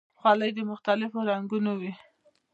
خولۍ د مختلفو رنګونو وي.